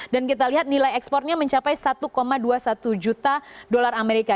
dan kita lihat nilai ekspornya mencapai satu dua puluh satu juta dolar amerika